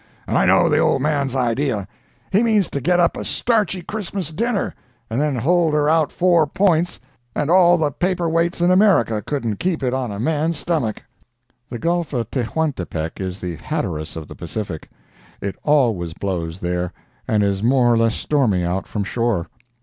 And I know the old man's idea: he means to get up a starchy Christmas dinner, and then hold her out four points, and all the paper weights in America couldn't keep it on a man's stomach." The Gulf of Tehuantepec is the Hatteras of the Pacific. It always blows there, and is more or less stormy out from shore.